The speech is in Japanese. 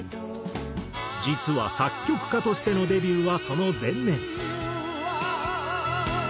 実は作曲家としてのデビューはその前年。